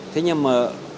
thế nhưng mà